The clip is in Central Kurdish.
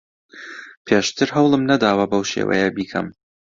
پێشتر هەوڵم نەداوە بەو شێوەیە بیکەم.